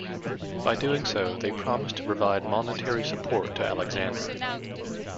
By doing so, they promised to provide monetary support to Alexander.